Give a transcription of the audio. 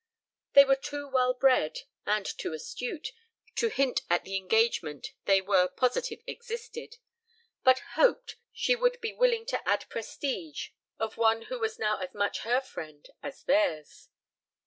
They were too well bred (and too astute) to hint at the engagement they were positive existed, but "hoped" she would be willing to add to the prestige of one who was now as much her friend as theirs.